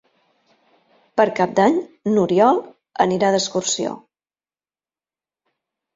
Per Cap d'Any n'Oriol anirà d'excursió.